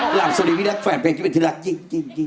กราบสวัสดีวินักแฟนเพลงที่เป็นที่รักยิ่ง